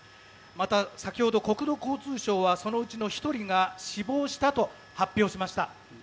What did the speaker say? また、先ほど国土交通省はそのうちの１人が死亡したと発表しました。